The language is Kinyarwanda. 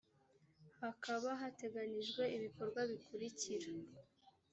hakaba hateganyijwe ibikorwa bikurikira